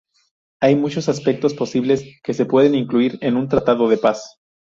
Hay muchos aspectos posibles que se pueden incluir en un tratado de paz.